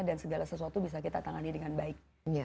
dan segala sesuatu bisa kita tangani dengan baik